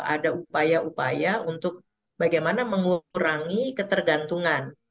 ada upaya upaya untuk bagaimana mengurangi ketergantungan